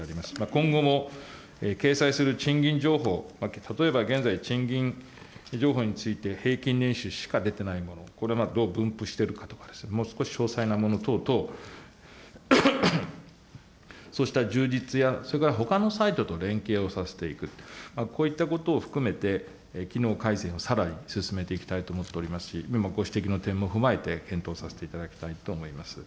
今後も掲載する賃金情報、例えば現在、賃金情報について平均年収しか出てないもの、これがどう分布しているかとか、もう少し詳細なもの等々、そうした充実や、それからほかのサイトと連携をさせていく、こういったことを含めて機能改善をさらに進めていきたいと思っておりますし、今ご指摘の点も踏まえて検討させていただきたいと思います。